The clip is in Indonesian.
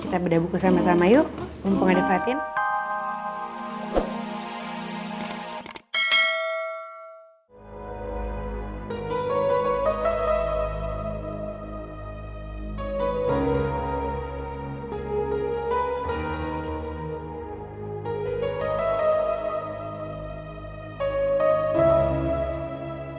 kita beda buku sama sama yuk mumpung ada fatin